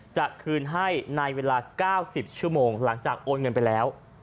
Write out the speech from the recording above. จะคืนให้ในเวลา๙๐ชั่วโมงหลังจากโอนเงินไปแล้ว